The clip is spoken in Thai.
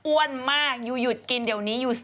อ้วนมากยูหยุดกินเดี๋ยวนี้ยูหยุด